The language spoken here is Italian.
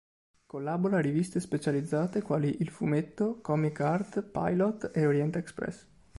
Collabora a riviste specializzate quali "Il fumetto", "Comic Art", "Pilot" e "Orient Express".